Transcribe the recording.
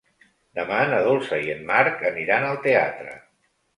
Demà na Dolça i en Marc aniran al teatre.